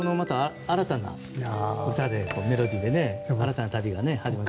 新たな歌で、メロディーで新たな旅が始まると。